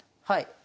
はい。